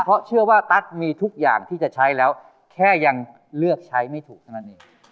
เพราะเชื่อว่าตั๊กมีทุกอย่างที่จะใช้แล้วแค่ยังเลือกใช้ไม่ถูกเท่านั้นเอง